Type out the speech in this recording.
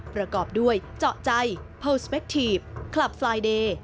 ประกอบด้วยเจาะใจเพิลสเปคทีฟคลับไฟล์เดย์